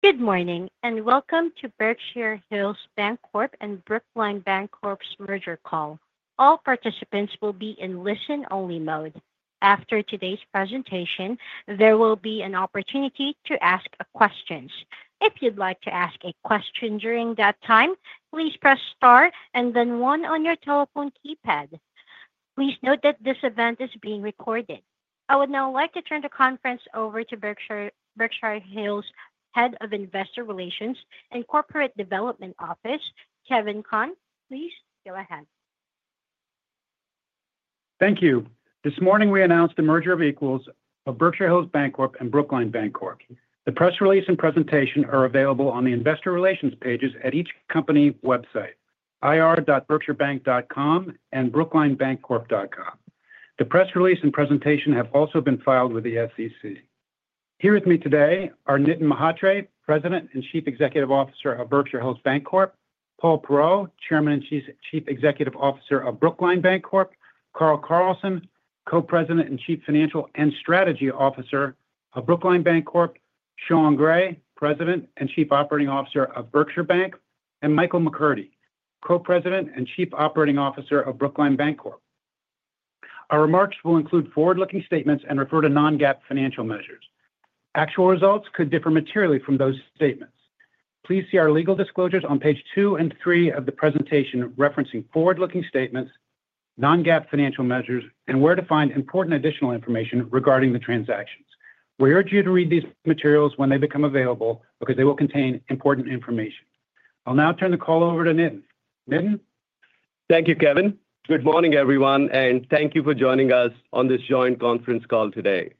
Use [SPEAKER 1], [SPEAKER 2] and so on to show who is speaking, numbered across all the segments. [SPEAKER 1] Good morning and welcome to Berkshire Hills Bancorp and Brookline Bancorp's merger call. All participants will be in listen-only mode. After today's presentation, there will be an opportunity to ask questions. If you'd like to ask a question during that time, please press star and then one on your telephone keypad. Please note that this event is being recorded. I would now like to turn the conference over to Berkshire Hills' Head of Investor Relations and Corporate Development Office, Kevin Conn. Please go ahead.
[SPEAKER 2] Thank you. This morning, we announced the merger of equals of Berkshire Hills Bancorp and Brookline Bancorp. The press release and presentation are available on the Investor Relations pages at each company's website: ir.berkshirebank.com and brooklinebancorp.com. The press release and presentation have also been filed with the SEC. Here with me today are Nitin Mhatre, President and Chief Executive Officer of Berkshire Hills Bancorp, Paul Perrault, Chairman and Chief Executive Officer of Brookline Bancorp, Carl Carlson, Co-President and Chief Financial and Strategy Officer of Brookline Bancorp, Sean Gray, President and Chief Operating Officer of Berkshire Bank, and Michael McCurdy, Co-President and Chief Operating Officer of Brookline Bancorp. Our remarks will include forward-looking statements and refer to non-GAAP financial measures. Actual results could differ materially from those statements. Please see our legal disclosures on page two and three of the presentation referencing forward-looking statements, non-GAAP financial measures, and where to find important additional information regarding the transactions. We urge you to read these materials when they become available because they will contain important information. I'll now turn the call over to Nitin. Nitin.
[SPEAKER 3] Thank you, Kevin. Good morning, everyone, and thank you for joining us on this joint conference call today.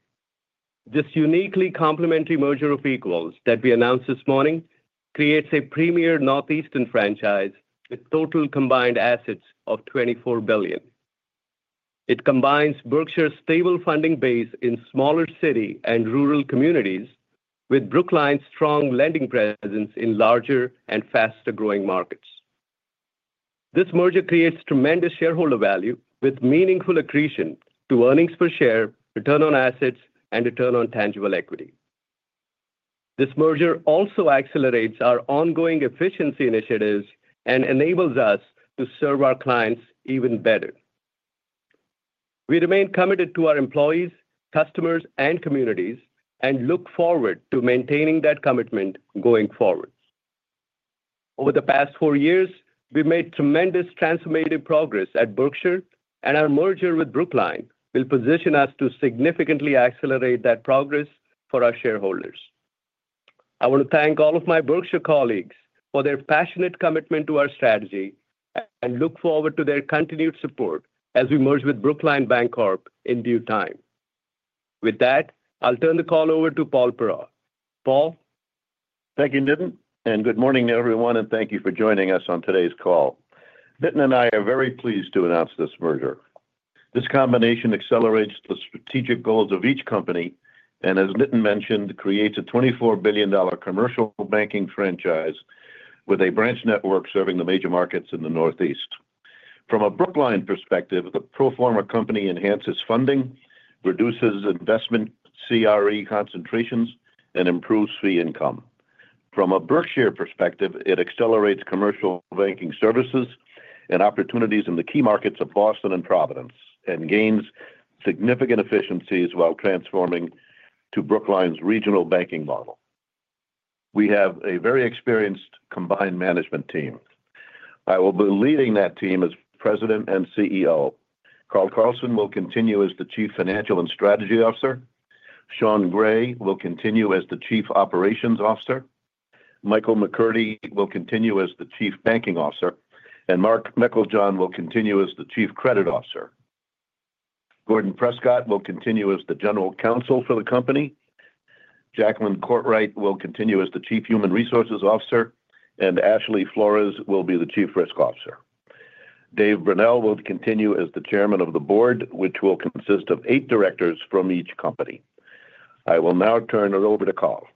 [SPEAKER 3] This uniquely complementary merger of equals that we announced this morning creates a premier Northeastern franchise with total combined assets of $24 billion. It combines Berkshire's stable funding base in smaller city and rural communities with Brookline's strong lending presence in larger and faster-growing markets. This merger creates tremendous shareholder value with meaningful accretion to earnings per share, return on assets, and return on tangible equity. This merger also accelerates our ongoing efficiency initiatives and enables us to serve our clients even better. We remain committed to our employees, customers, and communities and look forward to maintaining that commitment going forward. Over the past four years, we've made tremendous transformative progress at Berkshire, and our merger with Brookline will position us to significantly accelerate that progress for our shareholders. I want to thank all of my Berkshire colleagues for their passionate commitment to our strategy and look forward to their continued support as we merge with Brookline Bancorp in due time. With that, I'll turn the call over to Paul Perrault. Paul.
[SPEAKER 4] Thank you, Nitin, and good morning, everyone, and thank you for joining us on today's call. Nitin and I are very pleased to announce this merger. This combination accelerates the strategic goals of each company and, as Nitin mentioned, creates a $24 billion commercial banking franchise with a branch network serving the major markets in the Northeast. From a Brookline perspective, the pro-forma company enhances funding, reduces investment CRE concentrations, and improves fee income. From a Berkshire perspective, it accelerates commercial banking services and opportunities in the key markets of Boston and Providence and gains significant efficiencies while transforming to Brookline's regional banking model. We have a very experienced combined management team. I will be leading that team as President and CEO. Carl Carlson will continue as the Chief Financial and Strategy Officer. Sean Gray will continue as the Chief Operations Officer. Mike McCurdy will continue as the Chief Banking Officer, and Mark Meiklejohn will continue as the Chief Credit Officer. Gordon Prescott will continue as the General Counsel for the company. Jacqueline Courtwright will continue as the Chief Human Resources Officer, and Ashley Flores will be the Chief Risk Officer. David Brunell will continue as the Chairman of the Board, which will consist of eight directors from each company. I will now turn it over to Carl.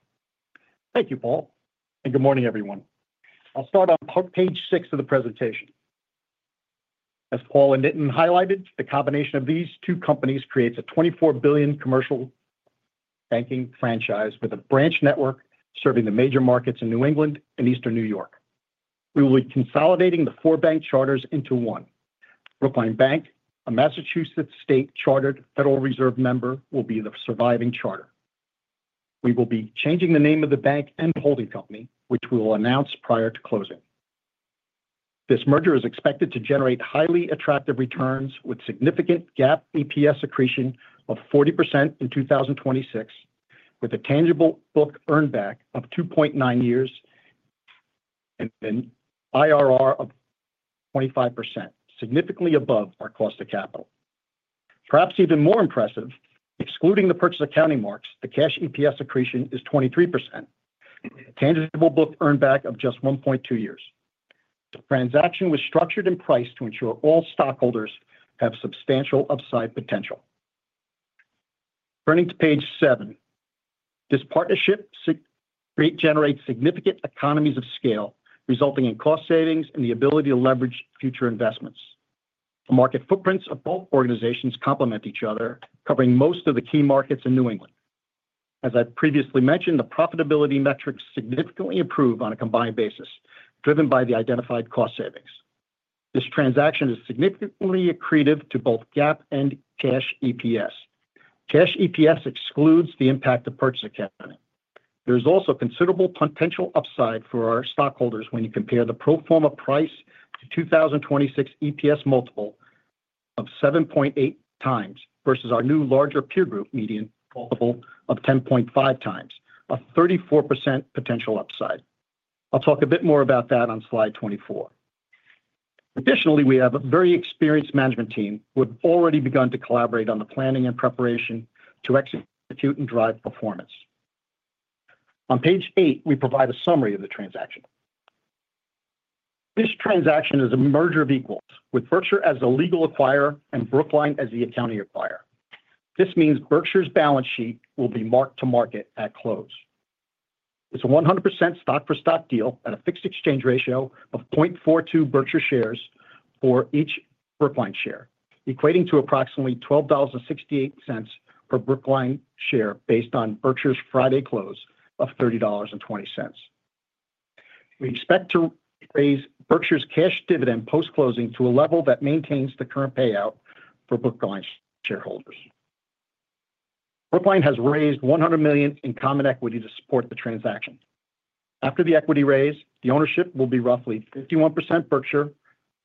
[SPEAKER 5] Thank you, Paul, and good morning, everyone. I'll start on page 6 of the presentation. As Paul and Nitin highlighted, the combination of these two companies creates a $24 billion commercial banking franchise with a branch network serving the major markets in New England and Eastern New York. We will be consolidating the four bank charters into one. Brookline Bank, a Massachusetts state chartered Federal Reserve member, will be the surviving charter. We will be changing the name of the bank and holding company, which we will announce prior to closing. This merger is expected to generate highly attractive returns with significant GAAP EPS accretion of 40% in 2026, with a tangible book earnback of 2.9 years and an IRR of 25%, significantly above our cost of capital. Perhaps even more impressive, excluding the purchase accounting marks, the cash EPS accretion is 23%, a tangible book earnback of just 1.2 years. The transaction was structured and priced to ensure all stockholders have substantial upside potential. Turning to page 7, this partnership generates significant economies of scale, resulting in cost savings and the ability to leverage future investments. The market footprints of both organizations complement each other, covering most of the key markets in New England. As I previously mentioned, the profitability metrics significantly improve on a combined basis, driven by the identified cost savings. This transaction is significantly accretive to both GAAP and cash EPS. Cash EPS excludes the impact of purchase accounting. There is also considerable potential upside for our stockholders when you compare the pro-forma price to 2026 EPS multiple of 7.8 times versus our new larger peer group median multiple of 10.5 times, a 34% potential upside. I'll talk a bit more about that on slide 24. Additionally, we have a very experienced management team who have already begun to collaborate on the planning and preparation to execute and drive performance. On page 8, we provide a summary of the transaction. This transaction is a merger of equals, with Berkshire as the legal acquirer and Brookline as the accounting acquirer. This means Berkshire's balance sheet will be marked to market at close. It's a 100% stock-for-stock deal at a fixed exchange ratio of 0.42 Berkshire shares for each Brookline share, equating to approximately $12.68 per Brookline share based on Berkshire's Friday close of $30.20. We expect to raise Berkshire's cash dividend post-closing to a level that maintains the current payout for Brookline shareholders. Brookline has raised $100 million in common equity to support the transaction. After the equity raise, the ownership will be roughly 51% Berkshire,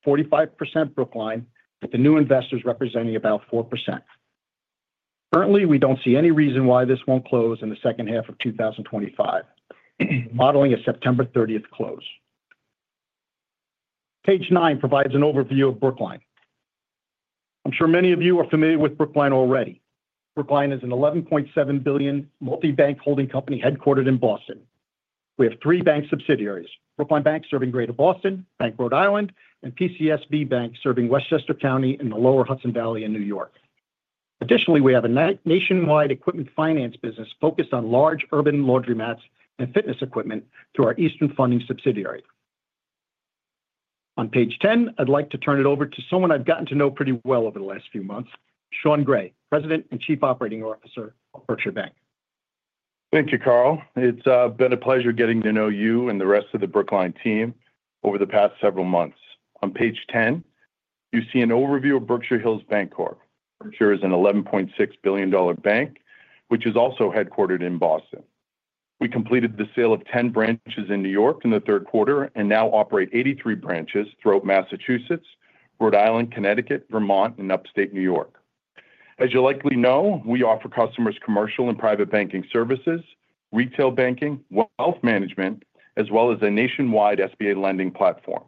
[SPEAKER 5] 45% Brookline, with the new investors representing about 4%. Currently, we don't see any reason why this won't close in the second half of 2025, modeling a September 30th close. page 9 provides an overview of Brookline. I'm sure many of you are familiar with Brookline already. Brookline is an $11.7 billion multi-bank holding company headquartered in Boston. We have three bank subsidiaries: Brookline Bank serving Greater Boston, Bank Rhode Island, and PCSB Bank serving Westchester County in the Lower Hudson Valley in New York. Additionally, we have a nationwide equipment finance business focused on large urban laundromats and fitness equipment through our Eastern Funding subsidiary. On page 10, I'd like to turn it over to someone I've gotten to know pretty well over the last few months, Sean Gray, President and Chief Operating Officer of Berkshire Bank.
[SPEAKER 6] Thank you, Carl. It's been a pleasure getting to know you and the rest of the Brookline team over the past several months. On page 10, you see an overview of Berkshire Hills Bancorp. Berkshire is an $11.6 billion bank, which is also headquartered in Boston. We completed the sale of 10 branches in New York in the third quarter and now operate 83 branches throughout Massachusetts, Rhode Island, Connecticut, Vermont, and upstate New York. As you likely know, we offer customers commercial and private banking services, retail banking, wealth management, as well as a nationwide SBA lending platform.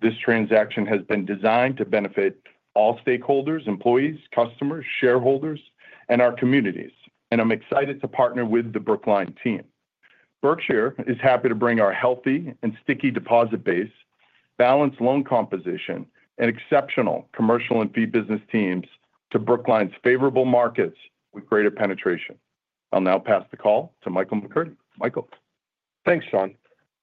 [SPEAKER 6] This transaction has been designed to benefit all stakeholders, employees, customers, shareholders, and our communities, and I'm excited to partner with the Brookline team. Berkshire is happy to bring our healthy and sticky deposit base, balanced loan composition, and exceptional commercial and fee business teams to Brookline's favorable markets with greater penetration. I'll now pass the call to Mike McCurdy. Mike.
[SPEAKER 5] Thanks, Sean.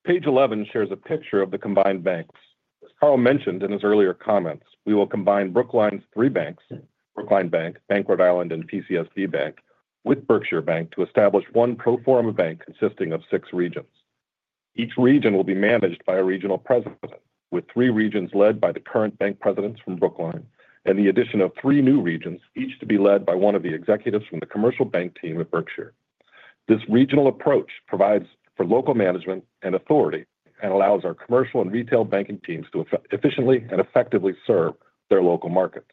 [SPEAKER 5] page 11 shares a picture of the combined banks. As Carl mentioned in his earlier comments, we will combine Brookline's three banks, Brookline Bank, Bank Rhode Island, and PCSB Bank, with Berkshire Bank to establish one pro-forma bank consisting of six regions. Each region will be managed by a regional president, with three regions led by the current bank presidents from Brookline and the addition of three new regions, each to be led by one of the executives from the commercial bank team at Berkshire. This regional approach provides for local management and authority and allows our commercial and retail banking teams to efficiently and effectively serve their local markets.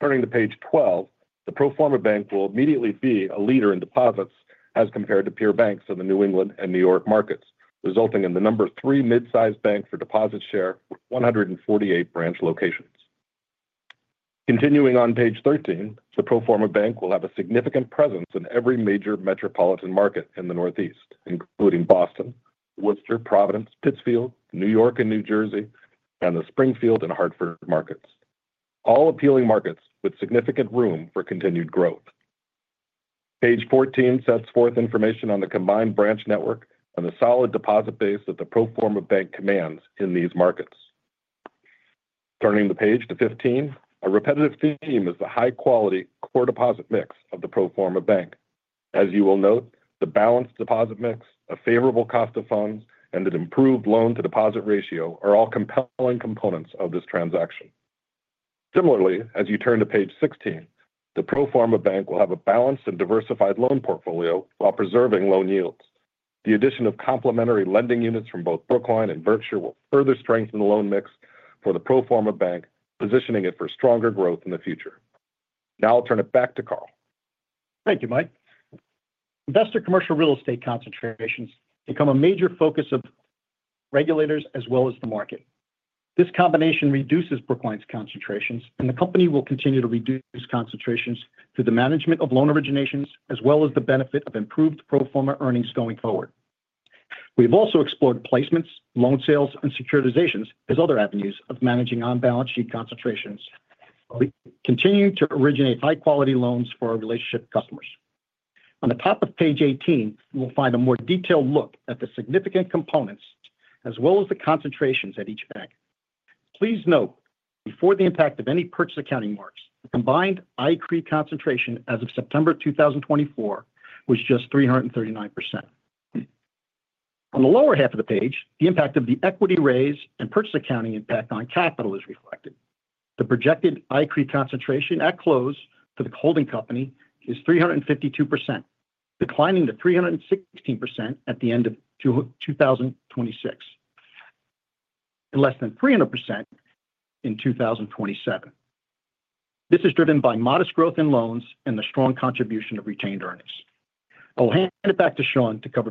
[SPEAKER 5] Turning to page 12, the pro-forma bank will immediately be a leader in deposits as compared to peer banks in the New England and New York markets, resulting in the number three mid-sized bank for deposit share with 148 branch locations. Continuing on page 13, the pro-forma bank will have a significant presence in every major metropolitan market in the Northeast, including Boston, Worcester, Providence, Pittsfield, New York and New Jersey, and the Springfield and Hartford markets. All appealing markets with significant room for continued growth. page 14 sets forth information on the combined branch network and the solid deposit base that the pro-forma bank commands in these markets. Turning the page to 15, a repetitive theme is the high-quality core deposit mix of the pro-forma bank. As you will note, the balanced deposit mix, a favorable cost of funds, and an improved loan-to-deposit ratio are all compelling components of this transaction. Similarly, as you turn to page 16, the pro forma bank will have a balanced and diversified loan portfolio while preserving loan yields. The addition of complementary lending units from both Brookline and Berkshire will further strengthen the loan mix for the pro forma bank, positioning it for stronger growth in the future. Now I'll turn it back to Carl.
[SPEAKER 7] Thank you, Mike. Investor Commercial Real Estate concentrations become a major focus of regulators as well as the market. This combination reduces Brookline's concentrations, and the company will continue to reduce concentrations through the management of loan originations as well as the benefit of improved pro forma earnings going forward. We have also explored placements, loan sales, and securitizations as other avenues of managing on-balance sheet concentrations. We continue to originate high-quality loans for our relationship customers. On the top of page 18, you will find a more detailed look at the significant components as well as the concentrations at each bank. Please note, before the impact of any purchase accounting marks, the combined ICRE concentration as of September 2024 was just 339%. On the lower half of the page, the impact of the equity raise and purchase accounting impact on capital is reflected. The projected ICRE concentration at close for the holding company is 352%, declining to 316% at the end of 2026, and less than 300% in 2027. This is driven by modest growth in loans and the strong contribution of retained earnings. I'll hand it back to Sean to cover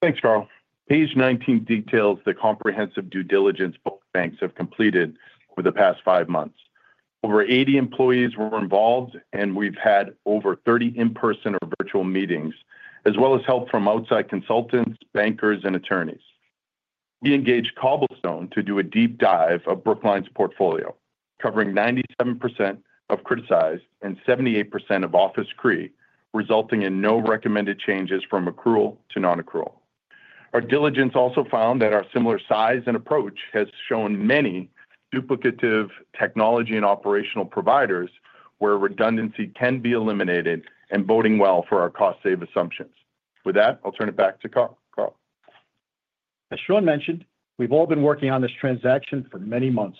[SPEAKER 7] page 19.
[SPEAKER 6] Thanks, Carl. page 19 details the comprehensive due diligence both banks have completed over the past five months. Over 80 employees were involved, and we've had over 30 in-person or virtual meetings, as well as help from outside consultants, bankers, and attorneys. We engaged Cobblestone to do a deep dive of Brookline's portfolio, covering 97% of criticized and 78% of office CRE, resulting in no recommended changes from accrual to non-accrual. Our diligence also found that our similar size and approach has shown many duplicative technology and operational providers where redundancy can be eliminated and boding well for our cost-save assumptions. With that, I'll turn it back to Carl.
[SPEAKER 7] As Sean mentioned, we've all been working on this transaction for many months.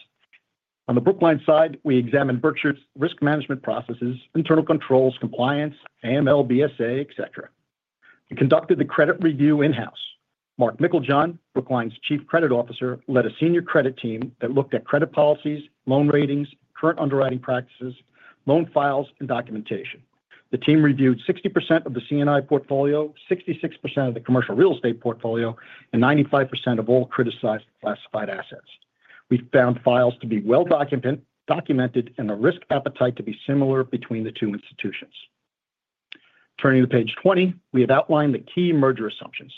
[SPEAKER 7] On the Brookline side, we examined Berkshire's risk management processes, internal controls, compliance, AML, BSA, et cetera. We conducted the credit review in-house. Mark Meiklejohn, Brookline's Chief Credit Officer, led a senior credit team that looked at credit policies, loan ratings, current underwriting practices, loan files, and documentation. The team reviewed 60% of the C&I portfolio, 66% of the commercial real estate portfolio, and 95% of all criticized classified assets. We found files to be well documented and the risk appetite to be similar between the two institutions. Turning to page 20, we have outlined the key merger assumptions.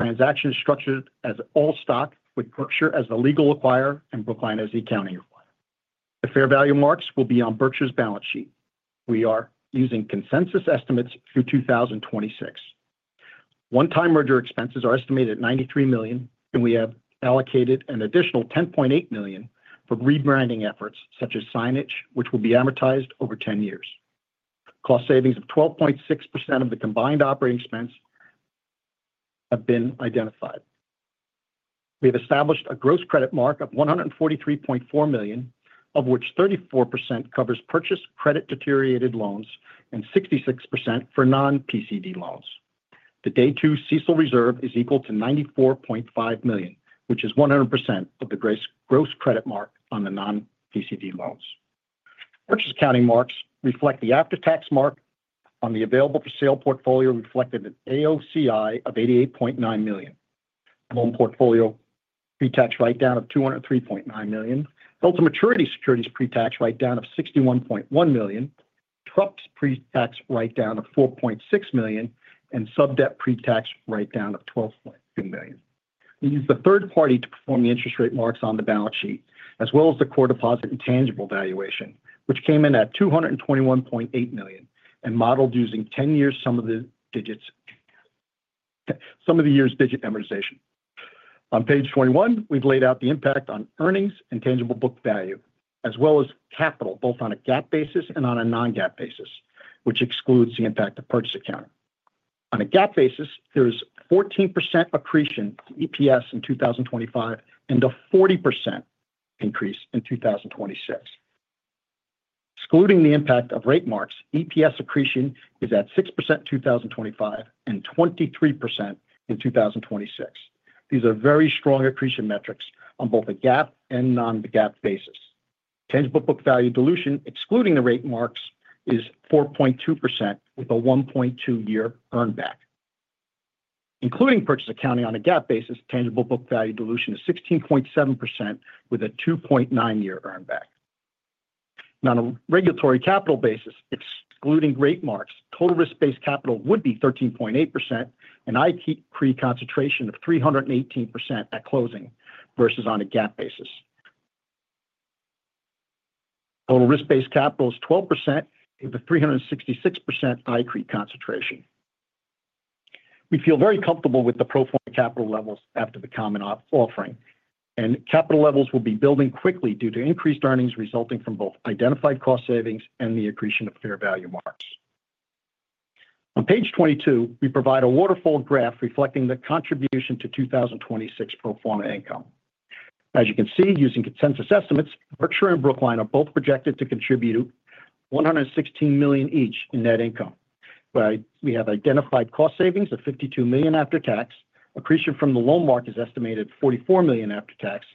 [SPEAKER 7] The transaction is structured as all stock with Berkshire as the legal acquirer and Brookline as the accounting acquirer. The fair value marks will be on Berkshire's balance sheet. We are using consensus estimates through 2026. One-time merger expenses are estimated at $93 million, and we have allocated an additional $10.8 million for rebranding efforts such as signage, which will be amortized over 10 years. Cost savings of 12.6% of the combined operating expense have been identified. We have established a gross credit mark of $143.4 million, of which 34% covers purchase credit deteriorated loans and 66% for non-PCD loans. The day-two CECL reserve is equal to $94.5 million, which is 100% of the gross credit mark on the non-PCD loans. Purchase accounting marks reflect the after-tax mark on the available-for-sale portfolio reflected at AOCI of $88.9 million. Loan portfolio pre-tax write-down of $203.9 million, held-to-maturity securities pre-tax write-down of $61.1 million, TRUPS pre-tax write-down of $4.6 million, and sub-debt pre-tax write-down of $12.2 million. We used a third party to perform the interest rate marks on the balance sheet, as well as the core deposit and tangible valuation, which came in at $221.8 million and modeled using 10-year sum-of-the-years'-digits amortization. On page 21, we've laid out the impact on earnings and tangible book value, as well as capital, both on a GAAP basis and on a non-GAAP basis, which excludes the impact of purchase accounting. On a GAAP basis, there is a 14% accretion to EPS in 2025 and a 40% increase in 2026. Excluding the impact of rate marks, EPS accretion is at 6% in 2025 and 23% in 2026. These are very strong accretion metrics on both a GAAP and non-GAAP basis. Tangible book value dilution, excluding the rate marks, is 4.2% with a 1.2-year earnback. Including purchase accounting on a GAAP basis, tangible book value dilution is 16.7% with a 2.9-year earnback. On a regulatory capital basis, excluding rate marks, total risk-based capital would be 13.8%, an ICRE concentration of 318% at closing versus on a GAAP basis. Total risk-based capital is 12% with a 366% ICRE concentration. We feel very comfortable with the pro-forma capital levels after the common offering, and capital levels will be building quickly due to increased earnings resulting from both identified cost savings and the accretion of fair value marks. On page 22, we provide a waterfall graph reflecting the contribution to 2026 pro-forma income. As you can see, using consensus estimates, Berkshire and Brookline are both projected to contribute $116 million each in net income. We have identified cost savings of $52 million after tax, accretion from the loan mark is estimated at $44 million after tax,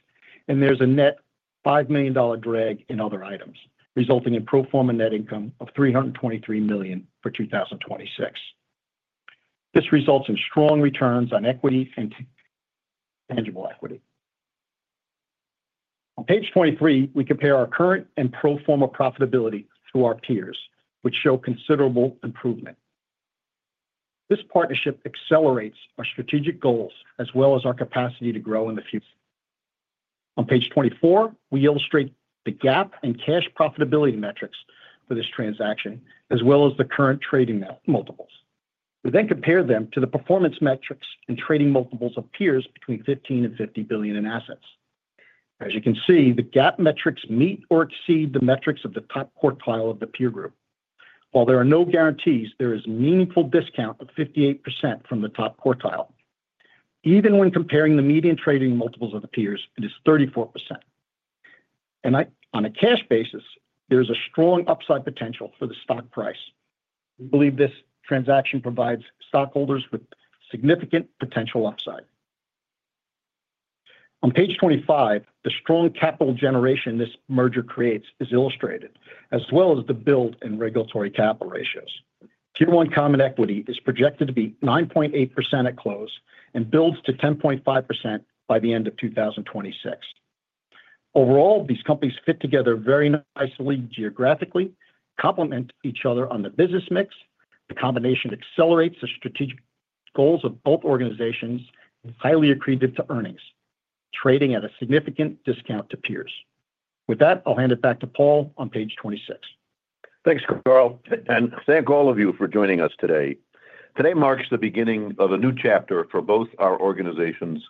[SPEAKER 7] and there's a net $5 million drag in other items, resulting in pro forma net income of $323 million for 2026. This results in strong returns on equity and tangible equity. On page 23, we compare our current and pro forma profitability to our peers, which show considerable improvement. This partnership accelerates our strategic goals as well as our capacity to grow in the future. On page 24, we illustrate the GAAP and cash profitability metrics for this transaction, as well as the current trading multiples. We then compare them to the performance metrics and trading multiples of peers between $15 and $50 billion in assets. As you can see, the GAAP metrics meet or exceed the metrics of the top quartile of the peer group. While there are no guarantees, there is a meaningful discount of 58% from the top quartile. Even when comparing the median trading multiples of the peers, it is 34%. On a cash basis, there is a strong upside potential for the stock price. We believe this transaction provides stockholders with significant potential upside. On page 25, the strong capital generation this merger creates is illustrated, as well as the build and regulatory capital ratios. Tier 1 common equity is projected to be 9.8% at close and builds to 10.5% by the end of 2026. Overall, these companies fit together very nicely geographically, complement each other on the business mix. The combination accelerates the strategic goals of both organizations and is highly accretive to earnings, trading at a significant discount to peers. With that, I'll hand it back to Paul on page 26.
[SPEAKER 4] Thanks, Carl, and thank all of you for joining us today. Today marks the beginning of a new chapter for both our organizations,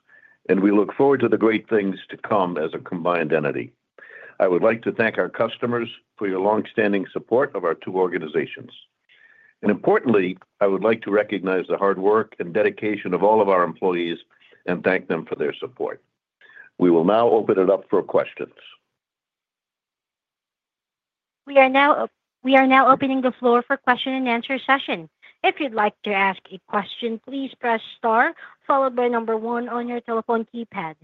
[SPEAKER 4] and we look forward to the great things to come as a combined entity. I would like to thank our customers for your longstanding support of our two organizations, and importantly, I would like to recognize the hard work and dedication of all of our employees and thank them for their support. We will now open it up for questions.
[SPEAKER 1] We are now opening the floor for question and answer session. If you'd like to ask a question, please press star followed by number one on your telephone keypad.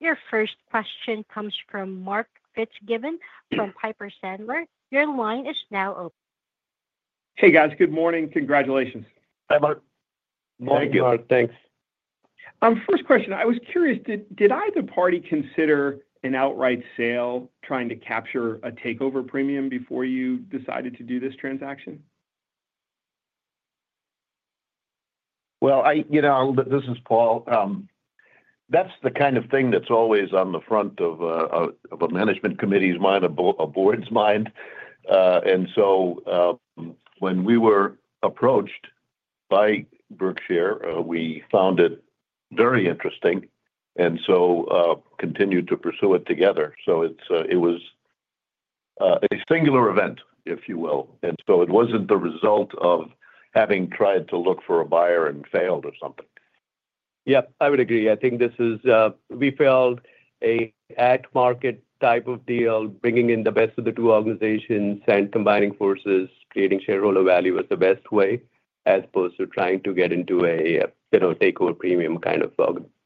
[SPEAKER 1] Your first question comes from Mark Fitzgibbon from Piper Sandler. Your line is now open.
[SPEAKER 8] Hey, guys. Good morning. Congratulations.
[SPEAKER 3] Hi, Mark.
[SPEAKER 6] Thank you, Mark. Thanks.
[SPEAKER 8] First question, I was curious, did either party consider an outright sale, trying to capture a takeover premium before you decided to do this transaction?
[SPEAKER 4] This is Paul. That's the kind of thing that's always on the front of a management committee's mind, a board's mind. When we were approached by Berkshire, we found it very interesting and so continued to pursue it together. It was a singular event, if you will. It wasn't the result of having tried to look for a buyer and failed or something.
[SPEAKER 3] Yep, I would agree. I think this is, we feel, an at-market type of deal, bringing in the best of the two organizations and combining forces, creating shareholder value as the best way as opposed to trying to get into a takeover premium kind of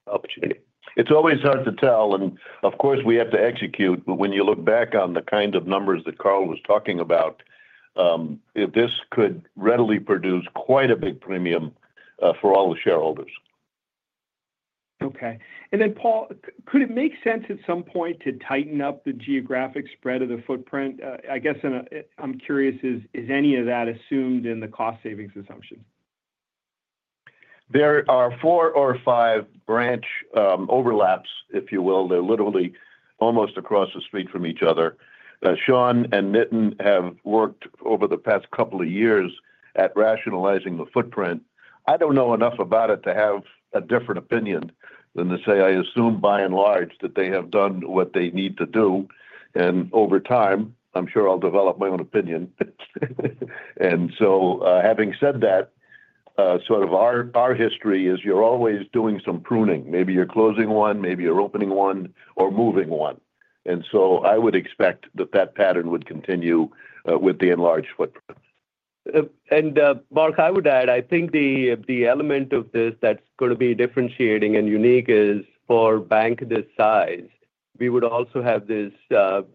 [SPEAKER 3] opportunity.
[SPEAKER 4] It's always hard to tell. And of course, we have to execute. But when you look back on the kind of numbers that Carl was talking about, this could readily produce quite a big premium for all the shareholders.
[SPEAKER 8] Okay. And then, Paul, could it make sense at some point to tighten up the geographic spread of the footprint? I guess I'm curious, is any of that assumed in the cost savings assumption?
[SPEAKER 4] There are four or five branch overlaps, if you will. They're literally almost across the street from each other. Sean and Nitin have worked over the past couple of years at rationalizing the footprint. I don't know enough about it to have a different opinion than to say I assume by and large that they have done what they need to do. And over time, I'm sure I'll develop my own opinion. And so having said that, sort of our history is you're always doing some pruning. Maybe you're closing one, maybe you're opening one, or moving one. And so I would expect that that pattern would continue with the enlarged footprint.
[SPEAKER 3] Mark, I would add, I think the element of this that's going to be differentiating and unique is, for a bank this size, we would also have this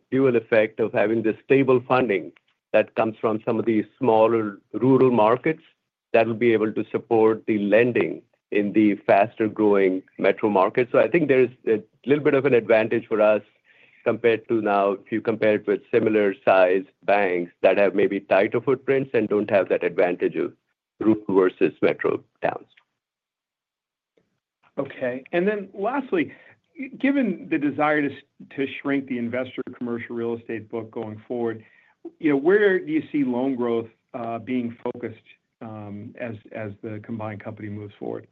[SPEAKER 3] dual effect of having this stable funding that comes from some of these smaller rural markets that will be able to support the lending in the faster-growing metro markets. So I think there's a little bit of an advantage for us compared to now, if you compare it with similar-sized banks that have maybe tighter footprints and don't have that advantage of rural versus metro towns.
[SPEAKER 8] Okay. And then lastly, given the desire to shrink the Investor Commercial Real Estate book going forward, where do you see loan growth being focused as the combined company moves forward?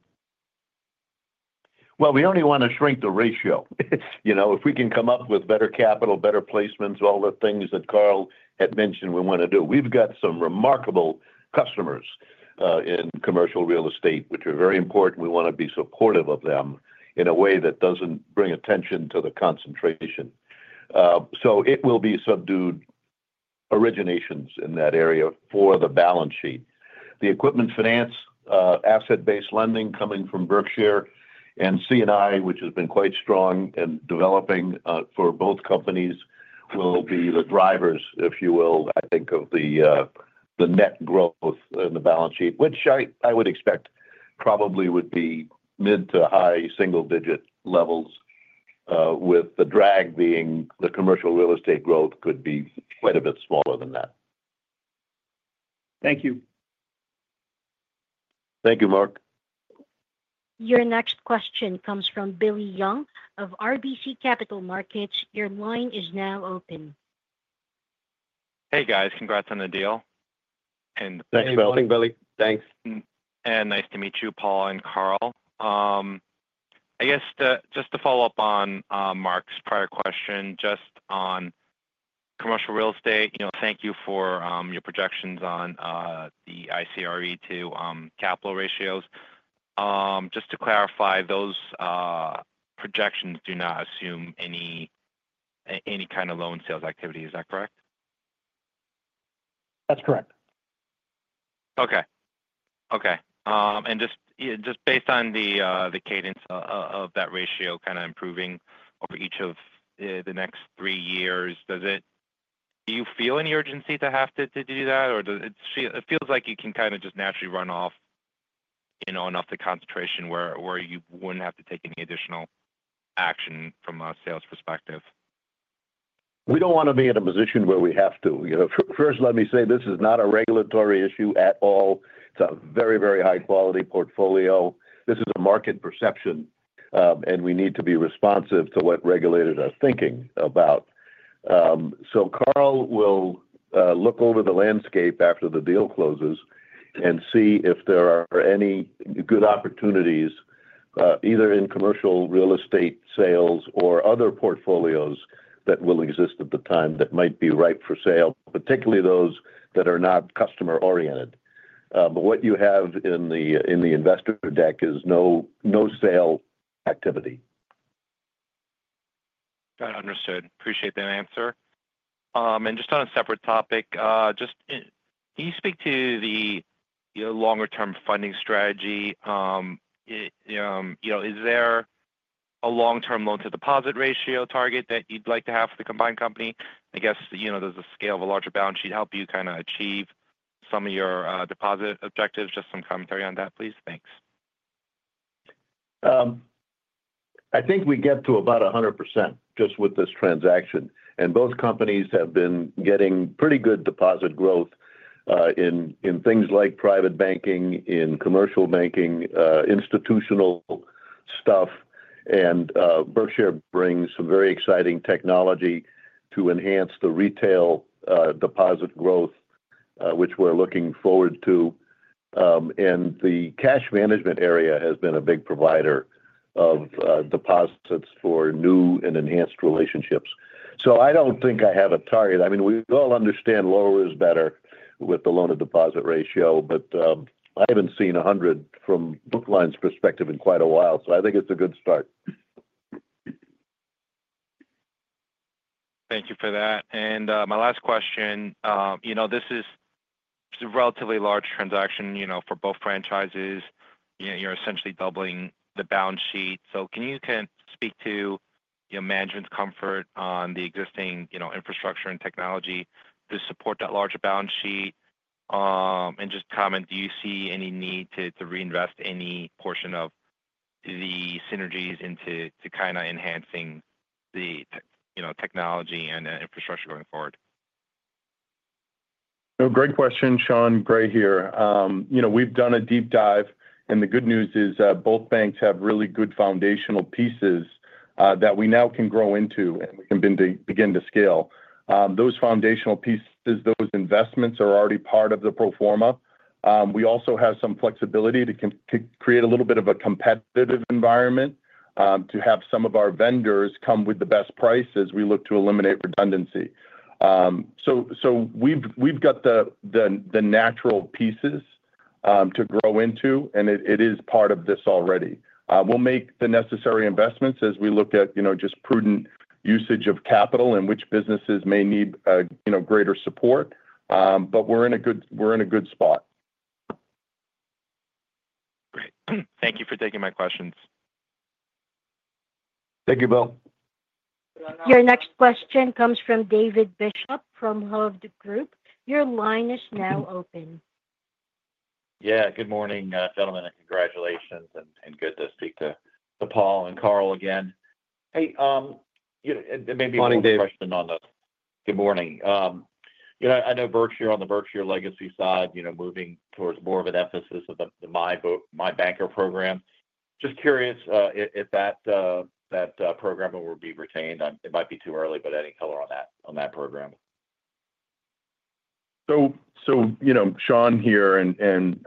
[SPEAKER 4] We only want to shrink the ratio. If we can come up with better capital, better placements, all the things that Carl had mentioned we want to do. We've got some remarkable customers in commercial real estate, which are very important. We want to be supportive of them in a way that doesn't bring attention to the concentration. So it will be subdued originations in that area for the balance sheet. The equipment finance, asset-based lending coming from Berkshire and C&I, which has been quite strong and developing for both companies, will be the drivers, if you will, I think, of the net growth in the balance sheet, which I would expect probably would be mid- to high-single-digit levels. With the drag being the commercial real estate growth could be quite a bit smaller than that.
[SPEAKER 8] Thank you.
[SPEAKER 4] Thank you, Mark.
[SPEAKER 1] Your next question comes from Billy Young of RBC Capital Markets. Your line is now open.
[SPEAKER 9] Hey, guys. Congrats on the deal. And thanks for helping, Billy.
[SPEAKER 3] Thanks.
[SPEAKER 9] Nice to meet you, Paul and Carl. I guess just to follow up on Mark's prior question, just on commercial real estate, thank you for your projections on the ICRE to capital ratios. Just to clarify, those projections do not assume any kind of loan sales activity. Is that correct?
[SPEAKER 3] That's correct.
[SPEAKER 9] Okay. Okay, and just based on the cadence of that ratio kind of improving over each of the next three years, do you feel any urgency to have to do that? Or it feels like you can kind of just naturally run off enough to concentration where you wouldn't have to take any additional action from a sales perspective?
[SPEAKER 4] We don't want to be in a position where we have to. First, let me say this is not a regulatory issue at all. It's a very, very high-quality portfolio. This is a market perception, and we need to be responsive to what regulators are thinking about. So Carl will look over the landscape after the deal closes and see if there are any good opportunities, either in commercial real estate sales or other portfolios that will exist at the time that might be ripe for sale, particularly those that are not customer-oriented. But what you have in the investor deck is no sale activity.
[SPEAKER 9] Got it. Understood. Appreciate that answer. And just on a separate topic, can you speak to the longer-term funding strategy? Is there a long-term loan-to-deposit ratio target that you'd like to have for the combined company? I guess there's a scale of a larger balance sheet to help you kind of achieve some of your deposit objectives. Just some commentary on that, please. Thanks.
[SPEAKER 4] I think we get to about 100% just with this transaction. And both companies have been getting pretty good deposit growth in things like private banking, in commercial banking, institutional stuff. And Berkshire brings some very exciting technology to enhance the retail deposit growth, which we're looking forward to. And the cash management area has been a big provider of deposits for new and enhanced relationships. So I don't think I have a target. I mean, we all understand lower is better with the loan-to-deposit ratio, but I haven't seen 100% from Brookline's perspective in quite a while. So I think it's a good start.
[SPEAKER 9] Thank you for that. And my last question, this is a relatively large transaction for both franchises. You're essentially doubling the balance sheet. So can you kind of speak to management's comfort on the existing infrastructure and technology to support that larger balance sheet? And just comment, do you see any need to reinvest any portion of the synergies into kind of enhancing the technology and infrastructure going forward?
[SPEAKER 6] Great question, Sean Gray here. We've done a deep dive, and the good news is both banks have really good foundational pieces that we now can grow into and begin to scale. Those foundational pieces, those investments are already part of the pro forma. We also have some flexibility to create a little bit of a competitive environment to have some of our vendors come with the best price as we look to eliminate redundancy, so we've got the natural pieces to grow into, and it is part of this already. We'll make the necessary investments as we look at just prudent usage of capital and which businesses may need greater support, but we're in a good spot.
[SPEAKER 9] Great. Thank you for taking my questions.
[SPEAKER 4] Thank you, Billy.
[SPEAKER 1] Your next question comes from David Bishop from Hovde Group. Your line is now open.
[SPEAKER 10] Yeah. Good morning, gentlemen. And congratulations. And good to speak to Paul and Carl again. Hey, it may be a question on the.
[SPEAKER 6] Morning, David.
[SPEAKER 10] Good morning. I know Berkshire on the Berkshire legacy side, moving towards more of an emphasis of the MyBanker program. Just curious if that program will be retained. It might be too early, but I'd like color on that program.
[SPEAKER 6] So, Sean here. And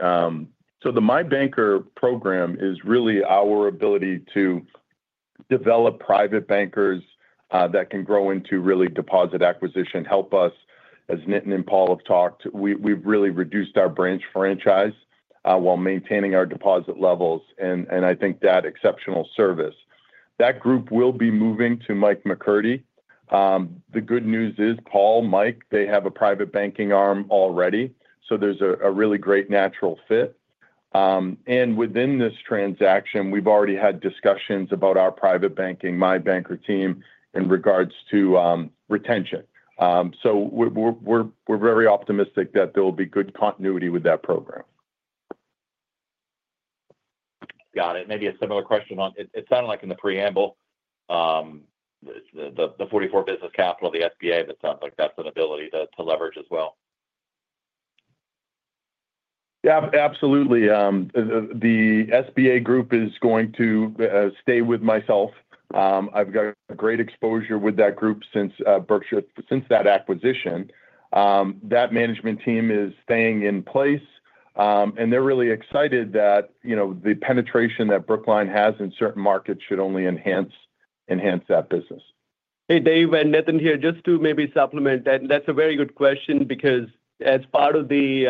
[SPEAKER 6] so the MyBanker program is really our ability to develop private bankers that can grow into really deposit acquisition, help us, as Nitin and Paul have talked. We've really reduced our branch franchise while maintaining our deposit levels. And I think that exceptional service. That group will be moving to Mike McCurdy. The good news is Paul, Mike, they have a private banking arm already. So there's a really great natural fit. And within this transaction, we've already had discussions about our private banking, MyBanker team in regards to retention. So we're very optimistic that there will be good continuity with that program.
[SPEAKER 10] Got it. Maybe a similar question on it. It sounded like in the preamble, the 44 Business Capital, the SBA, but it sounds like that's an ability to leverage as well.
[SPEAKER 4] Yeah, absolutely. The SBA group is going to stay with myself. I've got great exposure with that group since that acquisition. That management team is staying in place, and they're really excited that the penetration that Brookline has in certain markets should only enhance that business.
[SPEAKER 3] Hey, David and Nitin here. Just to maybe supplement that, that's a very good question because as part of these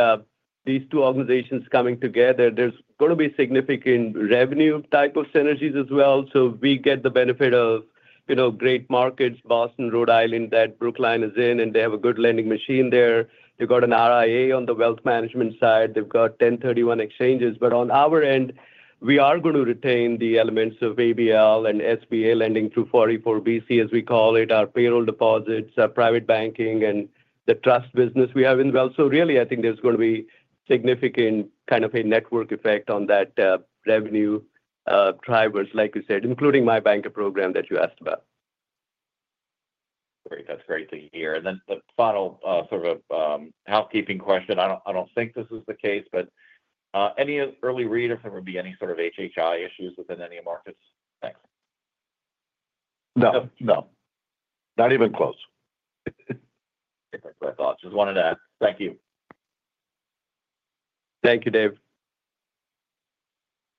[SPEAKER 3] two organizations coming together, there's going to be significant revenue type of synergies as well. So we get the benefit of great markets, Boston, Rhode Island, that Brookline is in, and they have a good lending machine there. They've got an RIA on the wealth management side. They've got 1031 exchanges. But on our end, we are going to retain the elements of ABL and SBA lending through 44 BC, as we call it, our payroll deposits, our private banking, and the trust business we have in the wealth. So really, I think there's going to be significant kind of a network effect on that revenue drivers, like you said, including MyBanker program that you asked about.
[SPEAKER 10] Great. That's great to hear. And then the final sort of housekeeping question. I don't think this is the case, but any early read if there would be any sort of HHI issues within any markets? Thanks.
[SPEAKER 4] No. No. Not even close.
[SPEAKER 10] Different thoughts. Just wanted to ask. Thank you.
[SPEAKER 3] Thank you, David.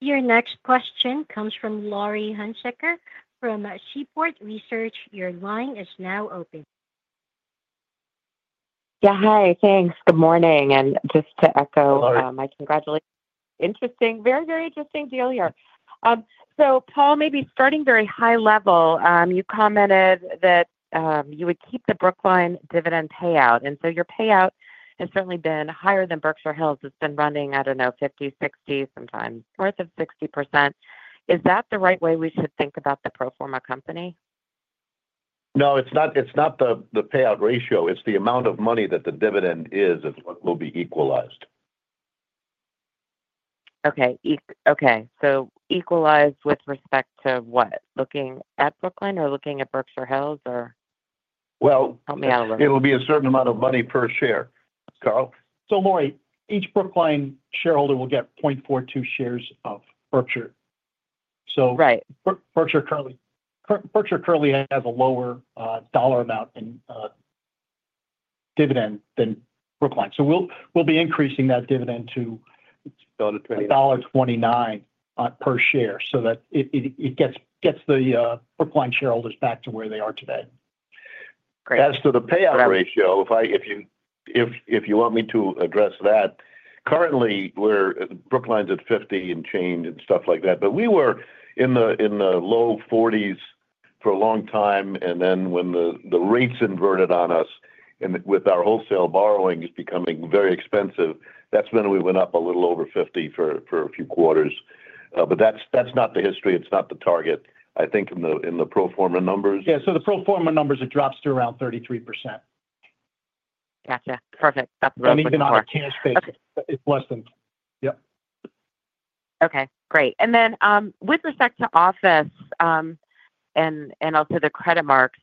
[SPEAKER 1] Your next question comes from Laurie Hunsicker from Seaport Research. Your line is now open.
[SPEAKER 11] Yeah. Hi. Thanks. Good morning, and just to echo.
[SPEAKER 4] Good morning. My congratulations. Interesting. Very, very interesting deal here. So Paul, maybe starting very high level, you commented that you would keep the Brookline dividend payout. And so your payout has certainly been higher than Berkshire Hills. It's been running, I don't know, 50%, 60%, sometimes north of 60%. Is that the right way we should think about the pro forma company? No, it's not the payout ratio. It's the amount of money that the dividend is that will be equalized.
[SPEAKER 11] Okay. Okay. So equalized with respect to what? Looking at Brookline or looking at Berkshire Hills or help me out a little bit?
[SPEAKER 4] It'll be a certain amount of money per share, Carl. Laurie, each Brookline shareholder will get 0.42 shares of Berkshire. Berkshire currently has a lower dollar amount in dividend than Brookline. We'll be increasing that dividend to $1.29 per share so that it gets the Brookline shareholders back to where they are today.
[SPEAKER 11] Great.
[SPEAKER 4] As to the payout ratio, if you want me to address that, currently, Brookline's at 50% and change and stuff like that. But we were in the low 40s% for a long time. And then when the rates inverted on us with our wholesale borrowings becoming very expensive, that's when we went up a little over 50% for a few quarters. But that's not the history. It's not the target, I think, in the pro forma numbers.
[SPEAKER 3] Yeah. So the pro forma numbers have dropped to around 33%.
[SPEAKER 11] Gotcha. Perfect. That's really smart.
[SPEAKER 4] Even on our cash base, it's less than. Yep.
[SPEAKER 11] Okay. Great. And then with respect to office and also the credit marks,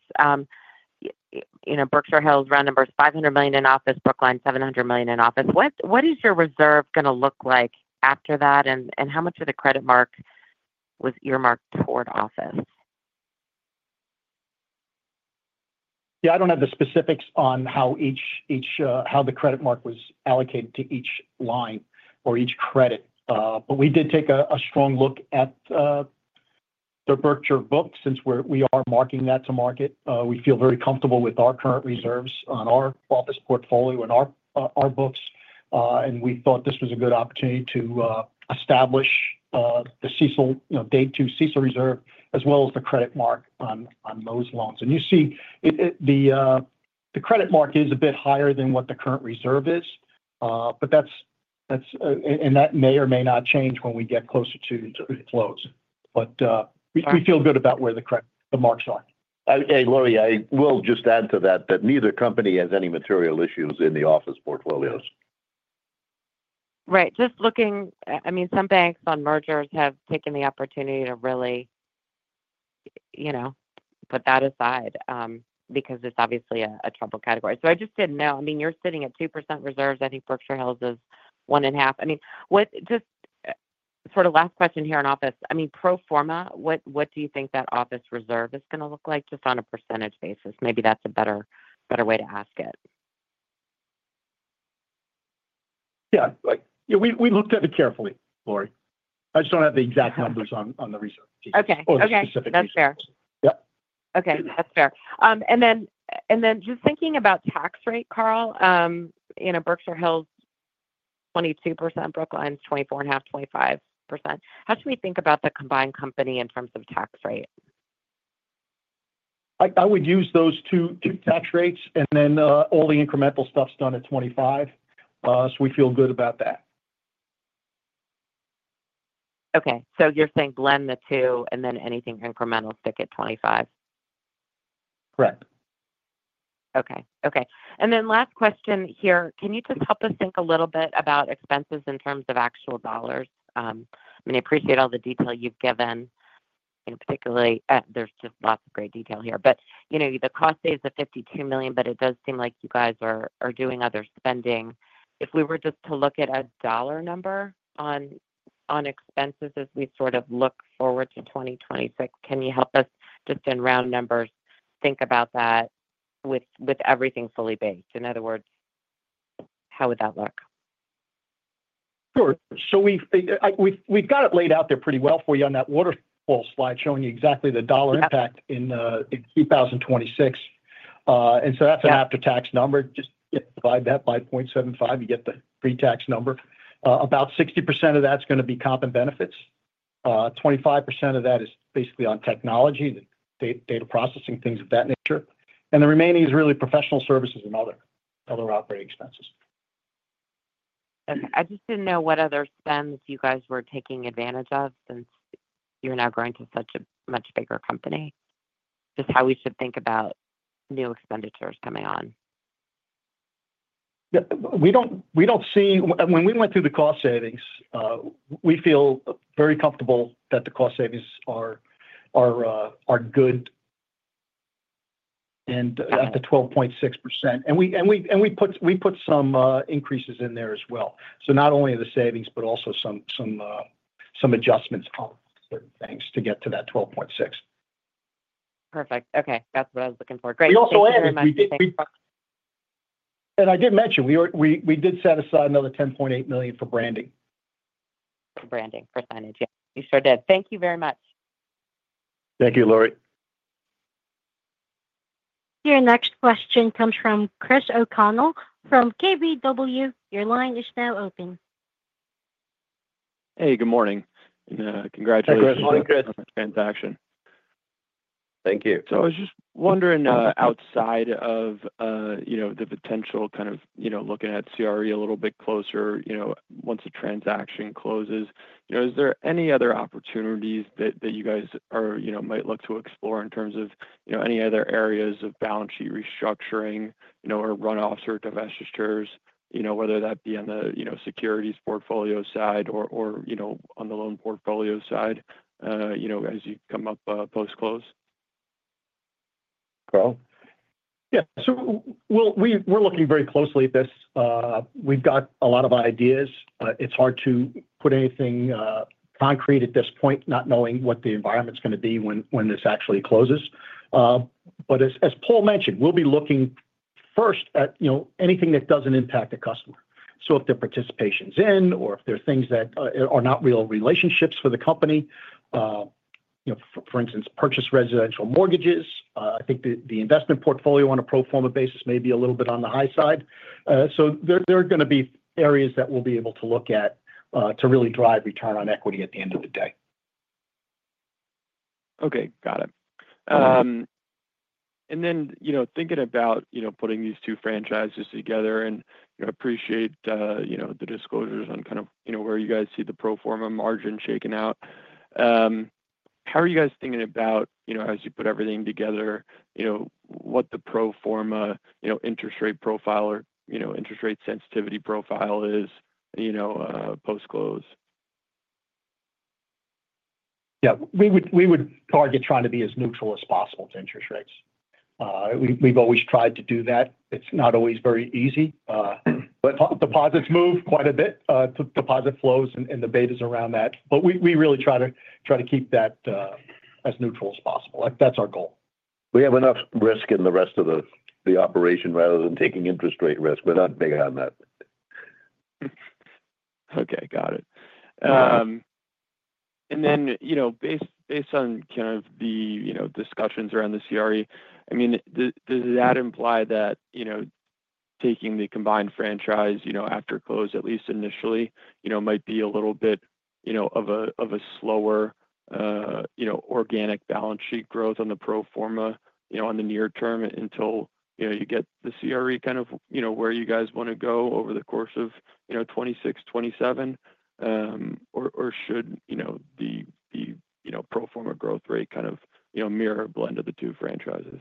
[SPEAKER 11] Berkshire Hills run numbers $500 million in office, Brookline $700 million in office. What is your reserve going to look like after that? And how much of the credit mark was earmarked toward office?
[SPEAKER 4] Yeah. I don't have the specifics on how the credit mark was allocated to each line or each credit. But we did take a strong look at the Berkshire books since we are marking that to market. We feel very comfortable with our current reserves on our office portfolio and our books. And we thought this was a good opportunity to establish the day-two CECL reserve as well as the credit mark on those loans. And you see the credit mark is a bit higher than what the current reserve is. And that may or may not change when we get closer to close. But we feel good about where the marks are.
[SPEAKER 3] I would say, Laurie, I will just add to that that neither company has any material issues in the office portfolios.
[SPEAKER 11] Right. I mean, some banks on mergers have taken the opportunity to really put that aside because it's obviously a troubled category. So I just didn't know. I mean, you're sitting at 2% reserves. I think Berkshire Hills is 1.5%. I mean, just sort of last question here on office. I mean, pro forma, what do you think that office reserve is going to look like just on a percentage basis? Maybe that's a better way to ask it.
[SPEAKER 4] Yeah. We looked at it carefully, Laurie. I just don't have the exact numbers on the research piece.
[SPEAKER 11] Okay. Okay. That's fair.
[SPEAKER 12] Yep.
[SPEAKER 11] Okay. That's fair, and then just thinking about tax rate, Carl, Berkshire Hills 22%, Brookline's 24.5%-25%. How should we think about the combined company in terms of tax rate?
[SPEAKER 4] I would use those two tax rates and then all the incremental stuff's done at 25%. So we feel good about that.
[SPEAKER 11] Okay. So you're saying blend the two and then anything incremental stick at 25?
[SPEAKER 4] Correct.
[SPEAKER 11] Okay. Okay. And then last question here. Can you just help us think a little bit about expenses in terms of actual dollars? I mean, I appreciate all the detail you've given, particularly there's just lots of great detail here. But the cost stays at $52 million, but it does seem like you guys are doing other spending. If we were just to look at a dollar number on expenses as we sort of look forward to 2026, can you help us just in round numbers think about that with everything fully based? In other words, how would that look?
[SPEAKER 4] Sure. So we've got it laid out there pretty well for you on that waterfall slide showing you exactly the dollar impact in 2026. And so that's an after-tax number. Just divide that by 0.75, you get the pre-tax number. About 60% of that's going to be comp and benefits. 25% of that is basically on technology, data processing, things of that nature. And the remaining is really professional services and other operating expenses.
[SPEAKER 11] I just didn't know what other spends you guys were taking advantage of since you're now growing to such a much bigger company. Just how we should think about new expenditures coming on?
[SPEAKER 4] Yeah. We don't see when we went through the cost savings, we feel very comfortable that the cost savings are good and up to 12.6%. And we put some increases in there as well. So not only the savings, but also some adjustments on certain things to get to that 12.6%.
[SPEAKER 11] Perfect. Okay. That's what I was looking for. Great.
[SPEAKER 4] And I did mention, we did set aside another $10.8 million for branding.
[SPEAKER 11] For branding. Percentage. Yeah. You sure did. Thank you very much.
[SPEAKER 4] Thank you, Laurie.
[SPEAKER 1] Your next question comes from Christopher O'Connell from KBW. Your line is now open.
[SPEAKER 13] Hey, good morning, and congratulations on the transaction. Thank you. So I was just wondering outside of the potential kind of looking at CRE a little bit closer once the transaction closes, is there any other opportunities that you guys might look to explore in terms of any other areas of balance sheet restructuring or run-offs or divestitures, whether that be on the securities portfolio side or on the loan portfolio side as you come up post-close?
[SPEAKER 4] Carl?
[SPEAKER 7] Yeah, so we're looking very closely at this. We've got a lot of ideas. It's hard to put anything concrete at this point, not knowing what the environment's going to be when this actually closes, but as Paul mentioned, we'll be looking first at anything that doesn't impact a customer, so if their participation's in or if there are things that are not real relationships for the company, for instance, purchase residential mortgages, I think the investment portfolio on a pro forma basis may be a little bit on the high side, so there are going to be areas that we'll be able to look at to really drive return on equity at the end of the day.
[SPEAKER 13] Okay. Got it. And then thinking about putting these two franchises together, and I appreciate the disclosures on kind of where you guys see the pro forma margin shaken out. How are you guys thinking about, as you put everything together, what the pro forma interest rate profile or interest rate sensitivity profile is post-close?
[SPEAKER 7] Yeah. We would target trying to be as neutral as possible to interest rates. We've always tried to do that. It's not always very easy. Deposits move quite a bit, deposit flows, and the betas around that. But we really try to keep that as neutral as possible. That's our goal.
[SPEAKER 6] We have enough risk in the rest of the operation rather than taking interest rate risk. We're not big on that.
[SPEAKER 13] Okay. Got it. And then based on kind of the discussions around the CRE, I mean, does that imply that taking the combined franchise after close, at least initially, might be a little bit of a slower organic balance sheet growth on the pro forma on the near term until you get the CRE kind of where you guys want to go over the course of 2026, 2027? Or should the pro forma growth rate kind of mirror a blend of the two franchises?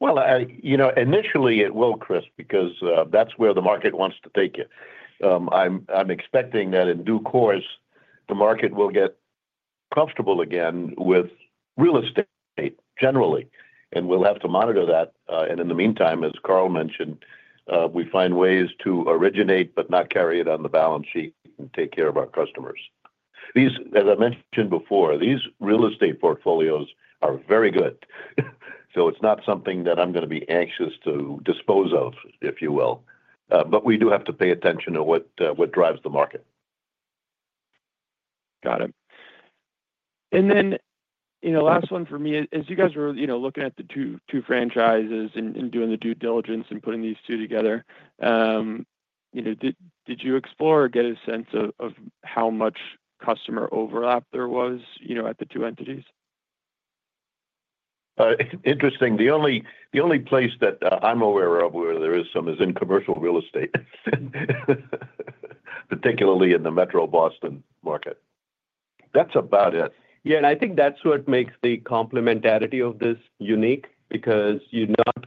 [SPEAKER 4] Initially, it will, Christopher, because that's where the market wants to take it. I'm expecting that in due course, the market will get comfortable again with real estate generally. We'll have to monitor that. In the meantime, as Carl mentioned, we find ways to originate but not carry it on the balance sheet and take care of our customers. As I mentioned before, these real estate portfolios are very good. It's not something that I'm going to be anxious to dispose of, if you will. We do have to pay attention to what drives the market.
[SPEAKER 13] Got it, and then last one for me, as you guys were looking at the two franchises and doing the due diligence and putting these two together, did you explore or get a sense of how much customer overlap there was at the two entities?
[SPEAKER 4] It's interesting. The only place that I'm aware of where there is some is in commercial real estate, particularly in the Metro Boston market. That's about it.
[SPEAKER 3] Yeah, and I think that's what makes the complementarity of this unique because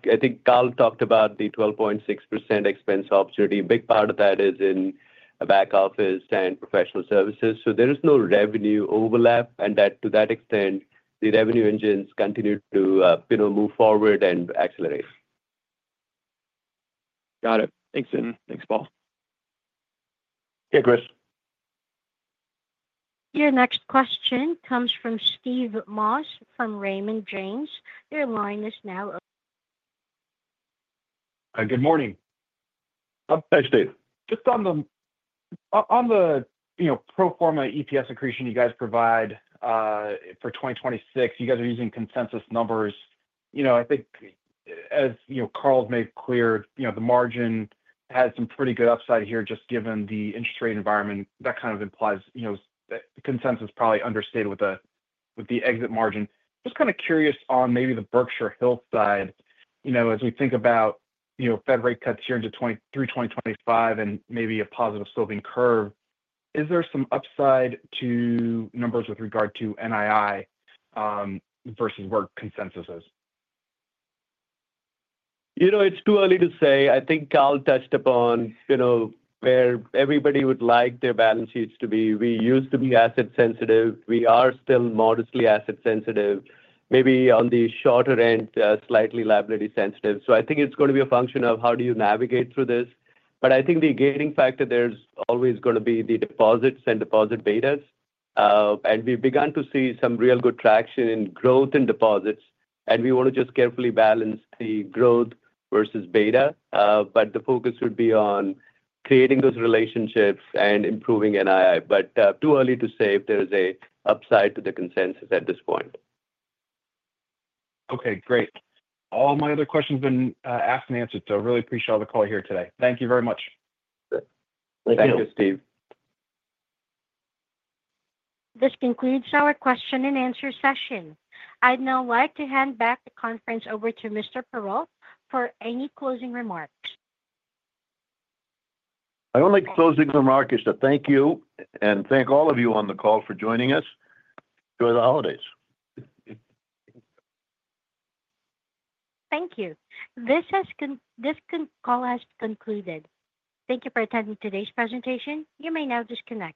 [SPEAKER 3] I think Carl talked about the 12.6% expense opportunity. A big part of that is in a back office and professional services. So there is no revenue overlap, and to that extent, the revenue engines continue to move forward and accelerate.
[SPEAKER 6] Got it. Thanks, Nitin. Thanks, Paul.
[SPEAKER 4] Yeah, Christopher.
[SPEAKER 1] Your next question comes from Steve Moss from Raymond James. Your line is now.
[SPEAKER 14] Good morning.
[SPEAKER 7] Hi, Steve. Just on the pro forma EPS accretion you guys provide for 2026, you guys are using consensus numbers. I think, as Carl's made clear, the margin has some pretty good upside here just given the interest rate environment. That kind of implies consensus probably understated with the exit margin. Just kind of curious on maybe the Berkshire Hills side. As we think about Fed rate cuts here into through 2025 and maybe a positive sloping curve, is there some upside to numbers with regard to NII versus where consensus is?
[SPEAKER 3] It's too early to say. I think Carl touched upon where everybody would like their balance sheets to be. We used to be asset-sensitive. We are still modestly asset-sensitive. Maybe on the shorter end, slightly liability-sensitive. So I think it's going to be a function of how do you navigate through this. But I think the gating factor there is always going to be the deposits and deposit betas. And we've begun to see some real good traction in growth in deposits. And we want to just carefully balance the growth versus beta. But the focus would be on creating those relationships and improving NII. But too early to say if there is an upside to the consensus at this point.
[SPEAKER 14] Okay. Great. All my other questions have been asked and answered. So I really appreciate all the call here today. Thank you very much.
[SPEAKER 3] Thank you, Steve.
[SPEAKER 1] This concludes our question-and-answer session. I'd now like to hand back the conference over to Mr. Perrault for any closing remarks.
[SPEAKER 4] My only closing remark is to thank you and thank all of you on the call for joining us. Enjoy the holidays.
[SPEAKER 1] Thank you. This call has concluded. Thank you for attending today's presentation. You may now disconnect.